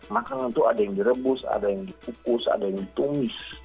makanan itu ada yang direbus ada yang dikukus ada yang ditumis